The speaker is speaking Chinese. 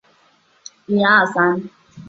太古宙是地质年代中的一个宙。